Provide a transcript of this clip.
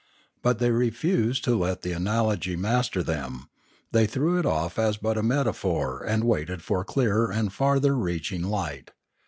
But they refused to let the analogy master them ; they threw it off as but a metaphor and waited for clearer and farther reaching light.